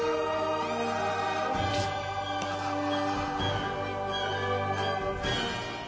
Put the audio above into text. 立派だわ。